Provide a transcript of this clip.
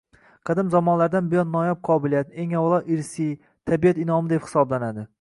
"Qadim zamonlardan buyon noyob qobiliyat, eng avvalo, irsiy, tabiat inʼomi deb hisoblanadi.